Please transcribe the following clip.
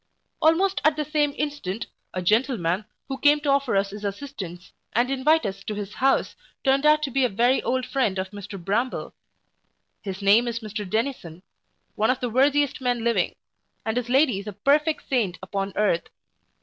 Almost at the same instant, a gentleman, who came to offer us his assistance, and invite us to his house, turned out to be a very old friend of Mr Bramble. His name is Mr Dennison, one of the worthiest men living; and his lady is a perfect saint upon earth.